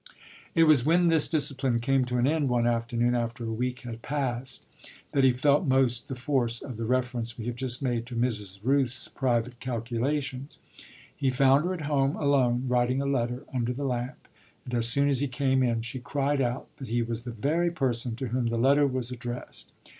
It was when this discipline came to an end one afternoon after a week had passed that he felt most the force of the reference we have just made to Mrs. Rooth's private calculations. He found her at home, alone, writing a letter under the lamp, and as soon as he came in she cried out that he was the very person to whom the letter was addressed.